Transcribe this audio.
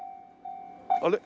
あれ？